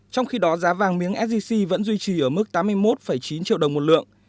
trong khi đó giá vàng miếng sgc vẫn duy trì ở mức tám mươi một chín triệu đồng một lượng